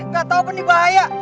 gatau apa nih bahaya